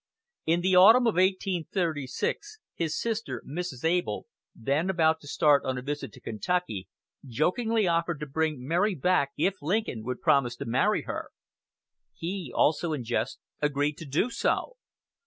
In the autumn of 1836, her sister, Mrs. Able, then about to start on a visit to Kentucky, jokingly offered to bring Mary back if Lincoln would promise to marry her. He, also in jest, agreed to do so.